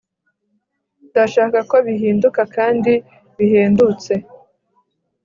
Ndashaka ko bihinduka kandi bihendutse